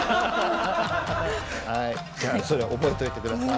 じゃあそれ覚えといて下さい。